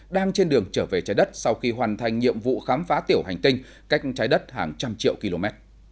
đang trên đường trở về trái đất sau khi hoàn thành nhiệm vụ khám phá tiểu hành tinh cách trái đất hàng trăm triệu km